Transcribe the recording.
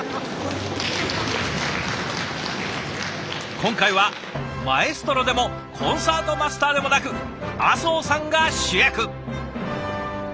今回はマエストロでもコンサートマスターでもなく阿相さんが主役。